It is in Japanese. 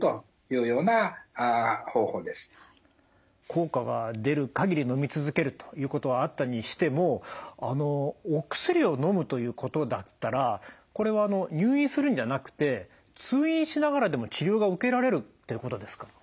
効果が出る限りのみ続けるということはあったにしてもあのお薬をのむということだったらこれは入院するんじゃなくて通院しながらでも治療が受けられるってことですか？